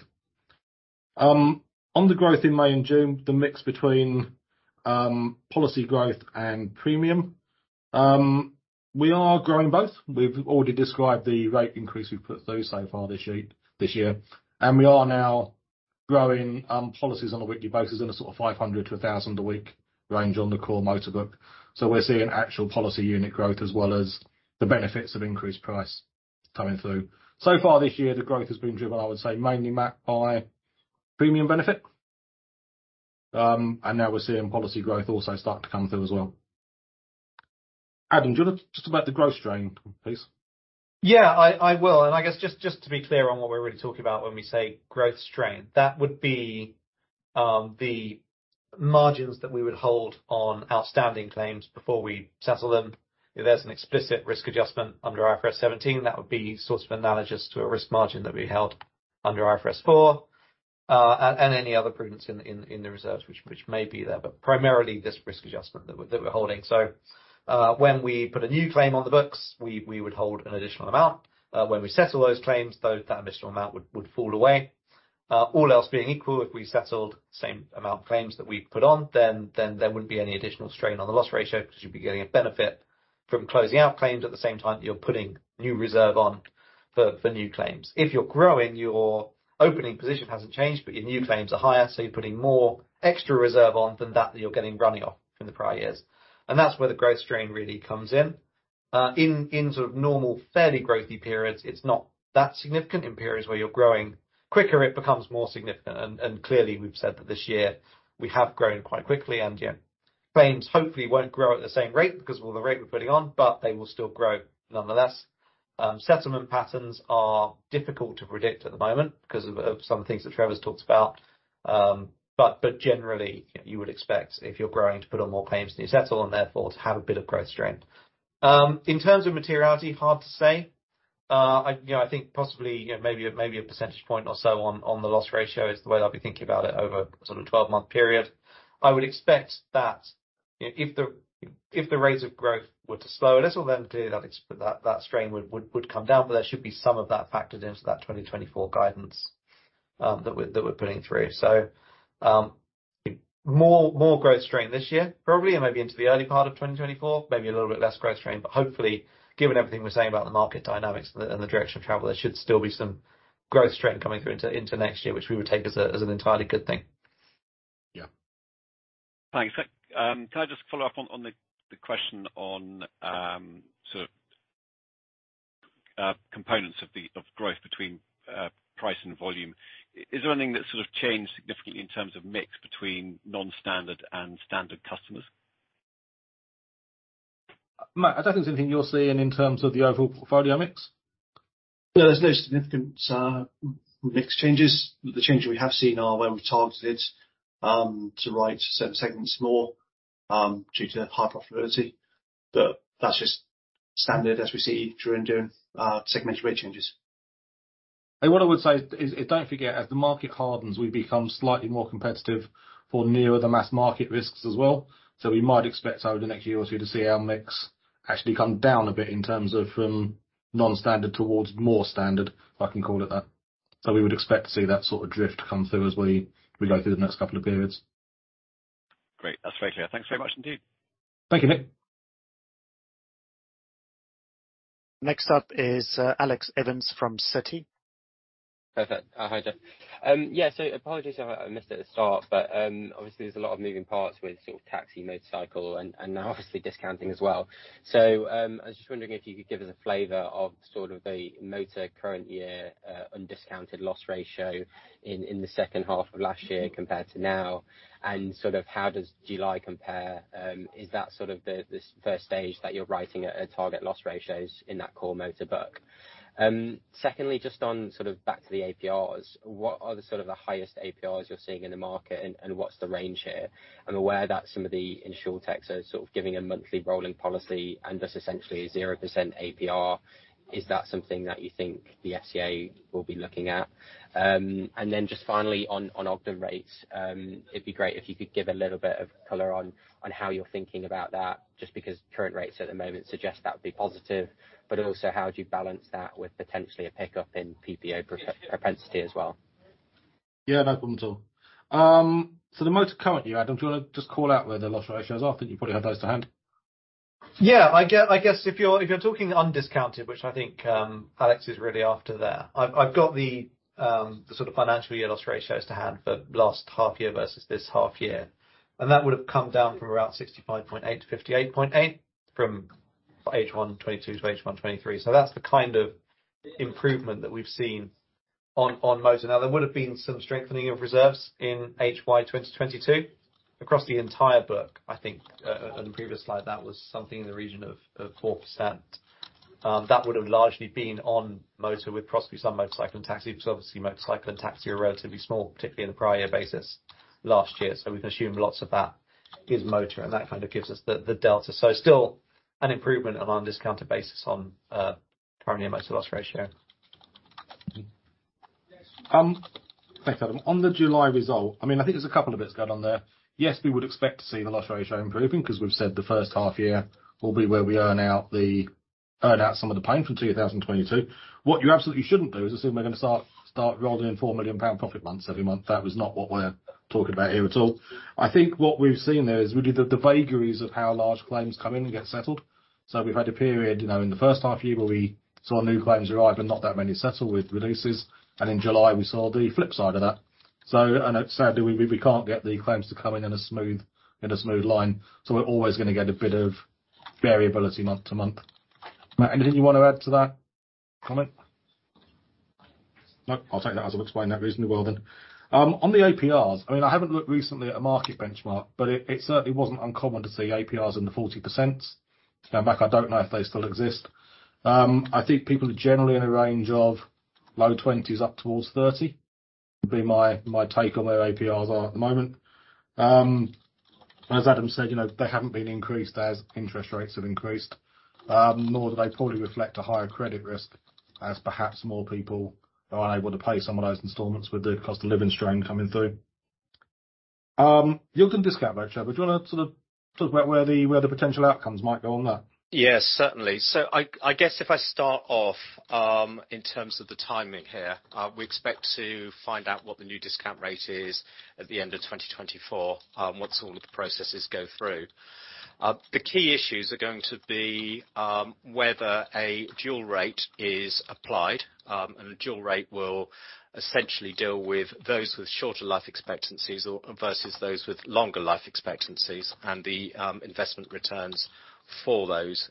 On the growth in May and June, the mix between policy growth and premium, we are growing both. We've already described the rate increase we've put through so far this year, this year. We are now growing policies on a weekly basis in a sort of 500–1,000 a week range on the core motor book. We're seeing actual policy unit growth as well as the benefits of increased price coming through. So far this year, the growth has been driven, I would say, mainly Matt, by premium benefit. Now we're seeing policy growth also start to come through as well. Adam, do you want to just about the growth strain, please? Yeah, I, I will. I guess just, just to be clear on what we're really talking about when we say growth strain, that would be, the margins that we would hold on outstanding claims before we settle them.... if there's an explicit risk adjustment under IFRS 17, that would be sort of analogous to a risk margin that we held under IFRS 4, and any other prudence in the reserves, which may be there, but primarily this risk adjustment that we're, that we're holding. When we put a new claim on the books, we would hold an additional amount. When we settle those claims, though, that additional amount would fall away. All else being equal, if we settled the same amount of claims that we put on, then there wouldn't be any additional strain on the loss ratio, 'cause you'd be getting a benefit from closing out claims at the same time that you're putting new reserve on for new claims. If you're growing, your opening position hasn't changed, but your new claims are higher, so you're putting more extra reserve on than that, that you're getting running off from the prior years. That's where the growth strain really comes in. In, in sort of normal, fairly growthy periods, it's not that significant. In periods where you're growing quicker, it becomes more significant, and, and clearly, we've said that this year we have grown quite quickly, claims hopefully won't grow at the same rate, because of all the rate we're putting on, but they will still grow nonetheless. Settlement patterns are difficult to predict at the moment because of, of some things that Trevor's talked about. But generally, you would expect if you're growing to put on more claims than you settle, and therefore to have a bit of growth strain. In terms of materiality, hard to say. I think possibly, you know, maybe a percentage point or so on the loss ratio is the way I'd be thinking about it over a 12-month period. I would expect that, you know, if the rates of growth were to slow a little, then clearly that strain would come down, but there should be some of that factored into that 2024 guidance that we're putting through. More, more growth strain this year, probably, and maybe into the early part of 2024, maybe a little bit less growth strain, but hopefully, given everything we're saying about the market dynamics and the, and the direction of travel, there should still be some growth strain coming through into, into next year, which we would take as an entirely good thing. Yeah. Thanks. Can I just follow up on, on the, the question on, sort of, components of the, of growth between, price and volume. Is there anything that sort of changed significantly in terms of mix between non-standard and standard customers? Matt, is that something you're seeing in terms of the overall portfolio mix? Yeah, there's no significant mix changes. The changes we have seen are where we've targeted to write certain segments more due to high profitability. That's just standard as we see during doing segment rate changes. What I would say is, don't forget, as the market hardens, we become slightly more competitive for nearer the mass market risks as well. We might expect over the next year or 2 to see our mix actually come down a bit in terms of from non-standard towards more standard, I can call it that. We would expect to see that sort of drift come through as we go through the next couple of periods. Great. That's very clear. Thanks very much indeed. Thank you, Nick. Next up is Alex Evans from Citi. Perfect. Hi, Geoff. Apologies if I missed it at the start, but obviously, there's a lot of moving parts with sort of taxi, Motorcycle, and now obviously discounting as well. I was just wondering if you could give us a flavor of sort of the motor current year, undiscounted loss ratio in, in the second half of last year compared to now, and sort of how does July compare? Is that sort of the, the first stage that you're writing at, at target loss ratios in that core motor book? Secondly, just on sort of back to the APRs. What are the sort of the highest APRs you're seeing in the market, and what's the range here? I'm aware that some of the Insurtech are sort of giving a monthly rolling policy and just essentially a 0% APR. Is that something that you think the FCA will be looking at? Then just finally on, on Ogden rates, it'd be great if you could give a little bit of color on, on how you're thinking about that, just because current rates at the moment suggest that would be positive, but also, how do you balance that with potentially a pickup in PPO pro- propensity as well? Yeah, no problem at all. The most current year, Adam, do you want to just call out where the loss ratio is off? I think you probably have those to hand. Yeah, I guess, I guess if you're, if you're talking undiscounted, which I think, Alex is really after there, I've, I've got the, the sort of financial year loss ratios to hand for last half year versus this half year, and that would have come down from around 65.8 to 58.8 from H1 2022 to H1 2023. That's the kind of improvement that we've seen on, on motor. Now, there would have been some strengthening of reserves in H1 2022 across the entire book. I think, on the previous slide, that was something in the region of, of 4%. That would have largely been on motor, with probably some Motorcycle and Taxi, because obviously Motorcycle and Taxi are relatively small, particularly in the prior year basis last year. We can assume lots of that is motor, and that kind of gives us the, the delta. Still an improvement on undiscounted basis on, current year motor loss ratio. Thanks, Adam. On the July result, I think there's a couple of bits going on there. Yes, we would expect to see the loss ratio improving, 'cause we've said the first half year will be where we earn out earn out some of the pain from 2022. What you absolutely shouldn't do is assume we're gonna start rolling in 4 million pound profit months every month. That was not what we're talking about here at all. I think what we've seen there is really the, the vagaries of how large claims come in and get settled. We've had a period in the first half year where we saw new claims arrive and not that many settle with releases, and in July, we saw the flip side of that. Sadly, we, we can't get the claims to come in in a smooth, in a smooth line, so we're always gonna get a bit of variability month to month. Matt, anything you want to add to that comment? No, I'll take that as I've explained that reasonably well then. On the APRs, I mean, I haven't looked recently at a market benchmark, but it, it certainly wasn't uncommon to see APRs in the 40%. To go back, I don't know if they still exist. I think people are generally in a range of low 20s up towards 30. Would be my, my take on where APRs are at the moment. As Adam said, you know, they haven't been increased as interest rates have increased, nor do they poorly reflect a higher credit risk, as perhaps more people are unable to pay some of those installments with the cost of living strain coming through. You're doing discount rate, Trevor. Do you wanna sort of talk about where the, where the potential outcomes might go on that? Yes, certainly. I, I guess if I start off in terms of the timing here, we expect to find out what the new discount rate is at the end of 2024 once all of the processes go through. The key issues are going to be whether a dual rate is applied. A dual rate will essentially deal with those with shorter life expectancies or versus those with longer life expectancies and the investment returns for those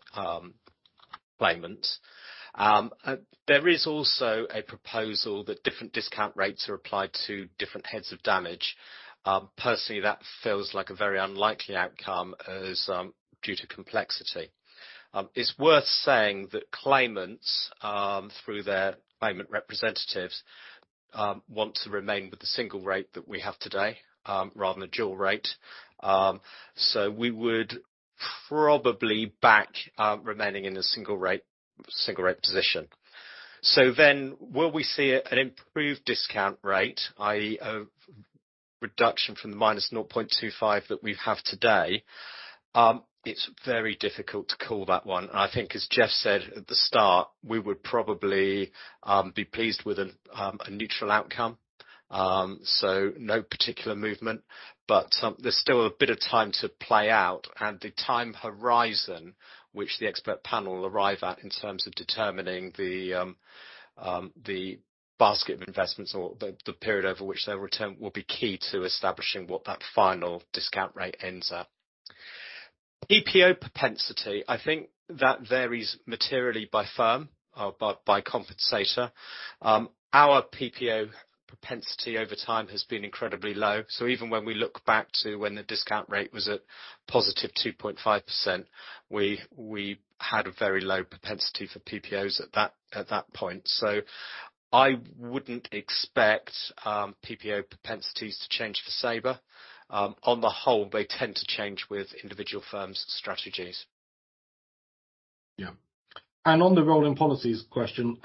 claimants. There is also a proposal that different discount rates are applied to different heads of damage. Personally, that feels like a very unlikely outcome as due to complexity. It's worth saying that claimants, through their claimant representatives, want to remain with the single rate that we have today rather than a dual rate. We would probably back remaining in a single rate, single rate position. Will we see an improved discount rate, i.e., a reduction from the minus 0.25 that we have today? It's very difficult to call that one. I think, as Geoff said at the start, we would probably be pleased with a neutral outcome. No particular movement, but there's still a bit of time to play out. The time horizon, which the expert panel will arrive at, in terms of determining the basket of investments or the period over which their return will be key to establishing what that final discount rate ends up. PPO propensity, I think that varies materially by firm, by, by compensator. Our PPO propensity over time has been incredibly low. Even when we look back to when the discount rate was at positive 2.5%, we, we had a very low propensity for PPOs at that, at that point, so I wouldn't expect PPO propensities to change for Sabre. On the whole, they tend to change with individual firms' strategies. Yeah. On the rolling policies question,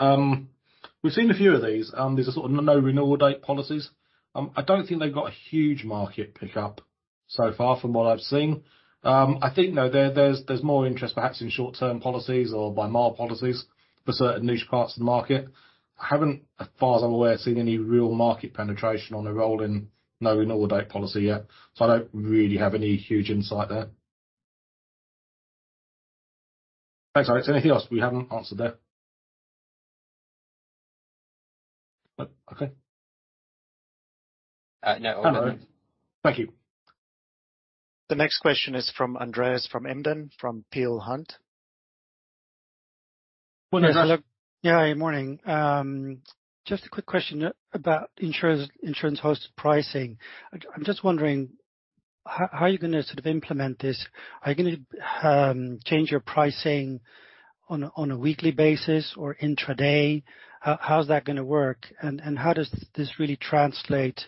we've seen a few of these. These are sort of no renewal date policies. I don't think they've got a huge market pickup so far, from what I've seen. I think, you know, there, there's, there's more interest, perhaps in short-term policies or by mile policies for certain niche parts of the market. I haven't, as far as I'm aware, seen any real market penetration on a roll in no renewal date policy yet, so I don't really have any huge insight there. Thanks. All right, is there anything else we haven't answered there? No. Okay. No. Thank you. The next question is from Andreas Embden, from Peel Hunt. Well, hello. Yeah, morning. Just a quick question about insurer-hosted pricing. I'm just wondering, how are you gonna sort of implement this? Are you gonna change your pricing on a weekly basis or intraday? How is that gonna work? How does this really translate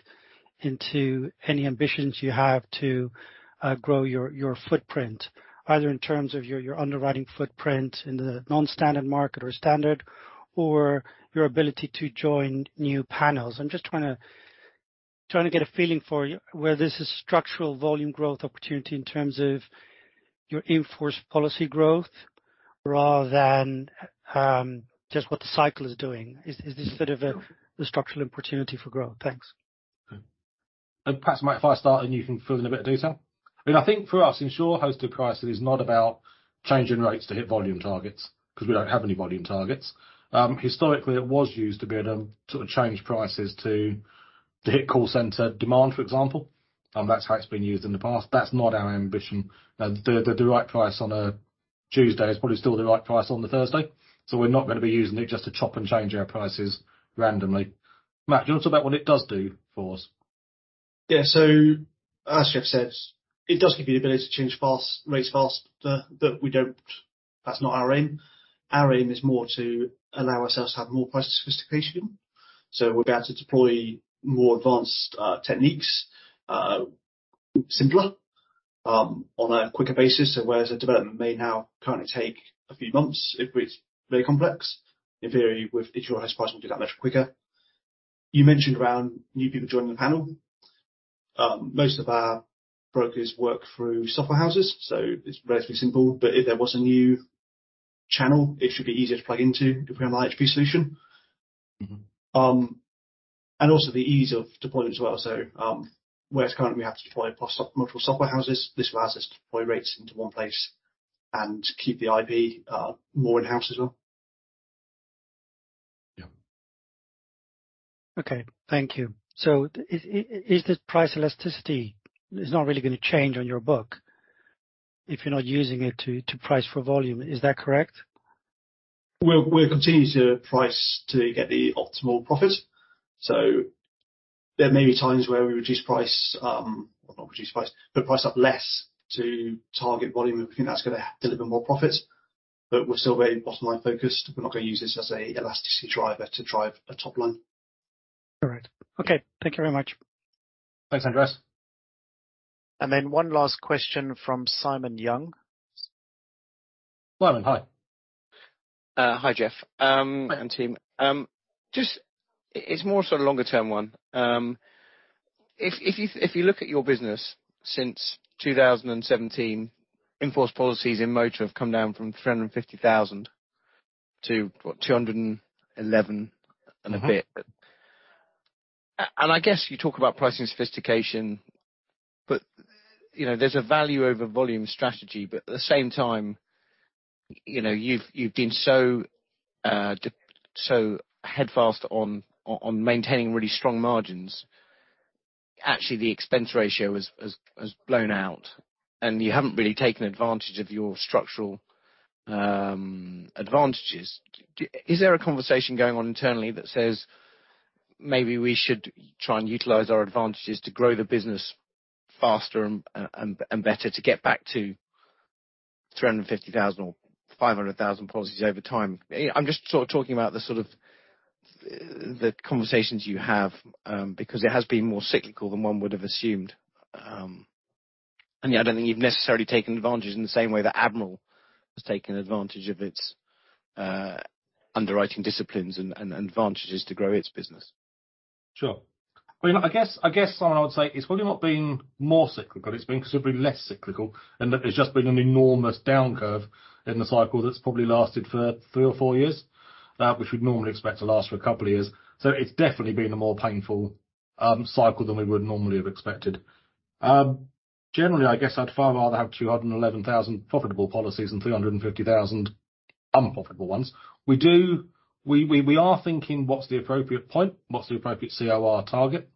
into any ambitions you have to grow your footprint, either in terms of your underwriting footprint in the non-standard market or standard, or your ability to join new panels? I'm just trying to get a feeling for you. Where this is structural volume growth opportunity in terms of your in-force policy growth rather than just what the cycle is doing. Is this sort of the structural opportunity for growth? Thanks. Perhaps, Matt, if I start, and you can fill in a bit of detail. I mean, I think for us, insurer-hosted pricing is not about changing rates to hit volume targets, 'cause we don't have any volume targets. Historically, it was used a bit to change prices to, to hit call center demand, for example. That's how it's been used in the past. That's not our ambition. The right price on a Tuesday is probably still the right price on the Thursday, so we're not gonna be using it just to chop and change our prices randomly. Matt, do you want to talk about what it does do for us? As Geoff said, it does give you the ability to change fast, rates fast. We don't. That's not our aim. Our aim is more to allow ourselves to have more price sophistication. We'll be able to deploy more advanced techniques, simpler, on a quicker basis. Whereas a development may now currently take a few months if it's very complex, in theory, with insurer-hosted pricing, we'll do that much quicker. You mentioned around new people joining the panel. Most of our brokers work through software houses, so it's relatively simple, but if there was a new channel, it should be easier to plug into if we have an HP solution. Mm-hmm. Also the ease of deployment as well. Whereas currently we have to deploy across multi-software houses, this allows us to deploy rates into one place and keep the IP more in-house as well. Yeah. Okay, thank you. Is this price elasticity is not really gonna change on your book if you're not using it to, to price for volume. Is that correct? We'll, we'll continue to price to get the optimal profit. There may be times where we reduce price, not reduce price, but price up less to target volume if we think that's gonna deliver more profits. we're still very bottom line focused. We're not gonna use this as a elasticity driver to drive a top line. All right. Okay, thank you very much. Thanks, Andreas. Then one last question from Simon Young. Simon, hi. Hi, Geoff, and team. Just, it's more sort of longer term one. If, if you, if you look at your business since 2017, in-force policies in motor have come down from 350,000 to, what? 211 and a bit. Mm-hmm. I guess you talk about pricing sophistication, but, you know, there's a value over volume strategy. At the same time, you know, you've, you've been so steadfast on, on, on maintaining really strong margins. Actually, the expense ratio has, has, has blown out, and you haven't really taken advantage of your structural advantages. Is there a conversation going on internally that says, "Maybe we should try and utilize our advantages to grow the business faster and, and, and better to get back to 350,000 or 500,000 policies over time?" I'm just sort of talking about the sort of, the conversations you have because it has been more cyclical than one would have assumed. Yeah, I don't think you've necessarily taken advantage in the same way that Admiral has taken advantage of its underwriting disciplines and, and advantages to grow its business. Sure. Well, I guess, I guess, Simon, I would say it's probably not been more cyclical, it's been considerably less cyclical, and there's just been an enormous down curve in the cycle that's probably lasted for three or four years, which we'd normally expect to last for a couple of years. It's definitely been a more painful cycle than we would normally have expected. Generally, I guess I'd far rather have 211,000 profitable policies than 350,000 unprofitable ones. We are thinking, what's the appropriate point? What's the appropriate COR target?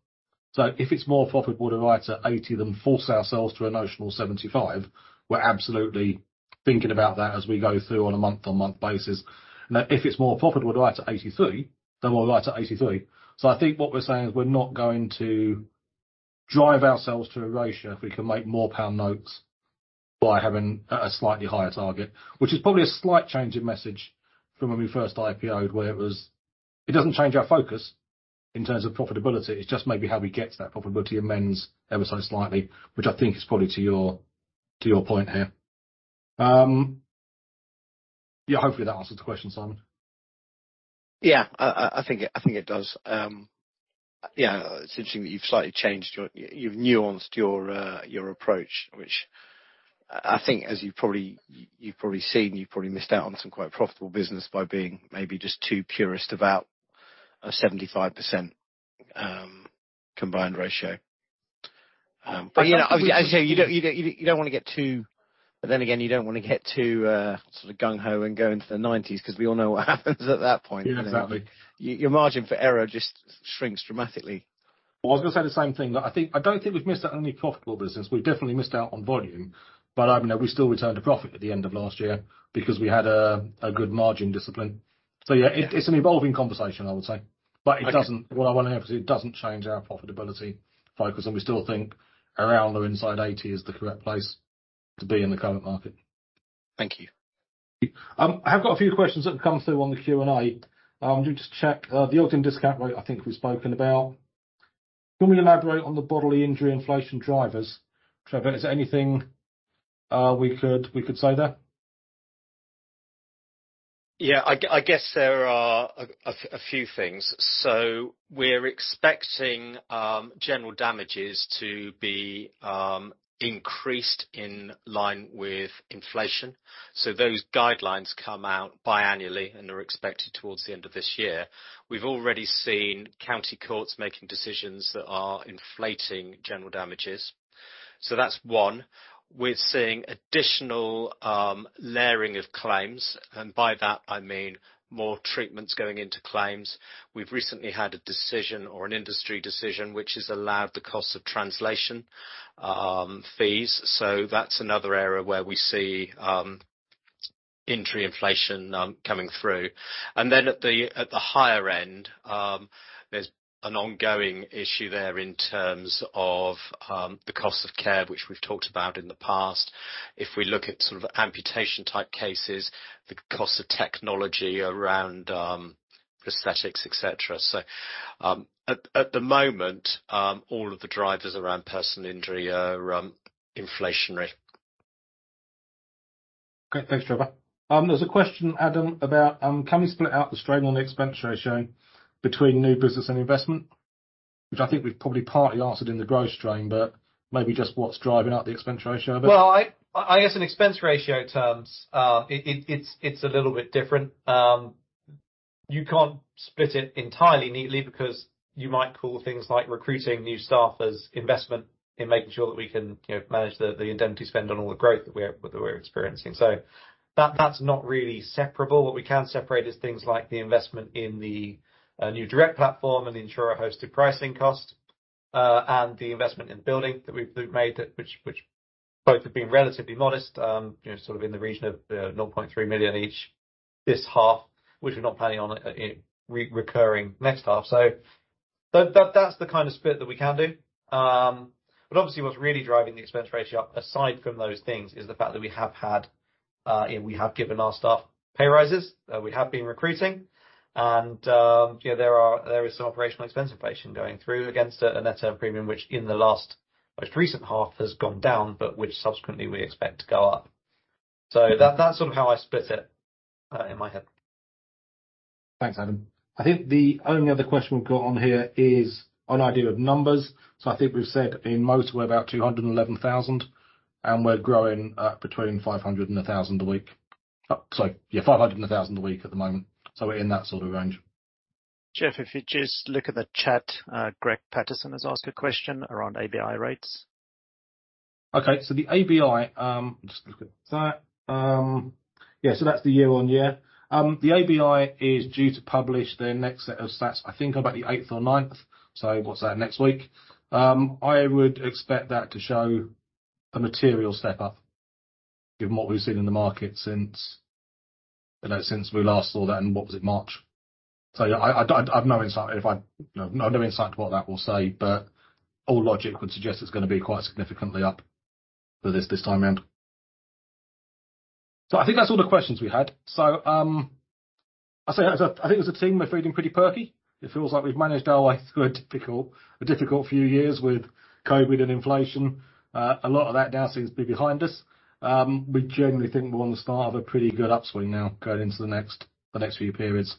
If it's more profitable to write at 80 than force ourselves to a notional 75, we're absolutely thinking about that as we go through on a month-on-month basis. If it's more profitable to write at 83, then we'll write at 83. I think what we're saying is, we're not going to drive ourselves to erasure if we can make more pound notes by having a, a slightly higher target. Which is probably a slight change in message from when we first IPO'd, where it was. It doesn't change our focus in terms of profitability. It's just maybe how we get to that profitability amends ever so slightly, which I think is probably to your, to your point here. Yeah, hopefully that answers the question, Simon. Yeah, I think, I think it does. Yeah, it's interesting that you've slightly changed your-- you've nuanced your approach, which I, I think as you've probably, you've probably seen, you've probably missed out on some quite profitable business by being maybe just too purist about a 75% combined ratio. You know, obviously, you don't, you don't, you don't wanna get too-- but then again, you don't wanna get too sort of gung ho and go into the 90s, 'cause we all know what happens at that point. Yeah, exactly. Your margin for error just shrinks dramatically. I was gonna say the same thing. I think, I don't think we've missed out on any profitable business. We've definitely missed out on volume, I mean, we still returned a profit at the end of last year because we had a, a good margin discipline. Yeah. Yeah.... it's an evolving conversation, I would say. Okay. It doesn't, what I want to say, it doesn't change our profitability focus, and we still think around or inside 80% is the correct place to be in the current market. Thank you. I've got a few questions that have come through on the Q&A. Let me just check. The auction discount rate, I think we've spoken about. Can we elaborate on the bodily injury inflation drivers? Trevor, is there anything we could, we could say there? Yeah, I guess there are a few things. We're expecting general damages to be increased in line with inflation. Those guidelines come out biannually and are expected towards the end of this year. We've already seen county courts making decisions that are inflating general damages. That's one. We're seeing additional layering of claims, and by that, I mean more treatments going into claims. We've recently had a decision or an industry decision, which has allowed the cost of translation fees. That's another area where we see injury inflation coming through. At the higher end, there's an ongoing issue there in terms of the cost of care, which we've talked about in the past. If we look at sort of amputation-type cases, the cost of technology around prosthetics, et cetera. At the moment, all of the drivers around personal injury are inflationary. Great. Thanks, Trevor. There's a question, Adam, about, can we split out the strain on the expense ratio between new business and investment? Which I think we've probably partly answered in the growth strain, but maybe just what's driving up the expense ratio a bit. Well, I guess in expense ratio terms, it's a little bit different. You can't split it entirely neatly because you might call things like recruiting new staff as investment in making sure that we can, you know, manage the, the indemnity spend on all the growth that we're, we're experiencing. Thaat's not really separable. What we can separate is things like the investment in the new direct platform and the insurer-hosted pricing cost, and the investment in building that we've made, which, which both have been relatively modest, you know, sort of in the region of 0.3 million each this half, which we're not planning on, it reoccurring next half. That, that, that's the kind of split that we can do. Obviously, what's really driving the expense ratio up, aside from those things, is the fact that we have had-- we have given our staff pay raises. We have been recruiting, and there is some operational expense inflation going through against a net term premium, which in the last most recent half has gone down, but which subsequently we expect to go up. That-that's sort of how I split it in my head. Thanks, Adam. I think the only other question we've got on here is on idea of numbers. I think we've said in most, we're about 211,000, and we're growing at between 500 and 1,000 a week. Sorry, yeah, 500 and 1,000 a week at the moment, so we're in that sort of range. Geoff, if you just look at the chat, Greg Patterson has asked a question around ABI rates. Okay, the ABI, just look at that. Yeah, that's the year-on-year. The ABI is due to publish their next set of stats, I think, about the 8th or 9th. What's that? Next week. I would expect that to show a material step up, given what we've seen in the market since, you know, since we last saw that, in what was it, March? Yeah, I, I, I've no insight no, no insight to what that will say, but all logic would suggest it's gonna be quite significantly up for this, this time around. I think that's all the questions we had. I'll say I think as a team, we're feeling pretty perky. It feels like we've managed our way through a difficult, a difficult few years with COVID and inflation. A lot of that now seems to be behind us. We generally think we're on the start of a pretty good upswing now going into the next, the next few periods.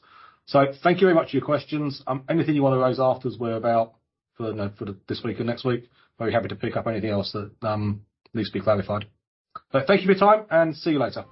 Thank you very much for your questions. Anything you wanna raise after, we're about for the, for the, this week and next week. Very happy to pick up anything else that, needs to be clarified. Thank you for your time, and see you later.